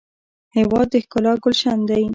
هېواد د ښکلا ګلشن دی.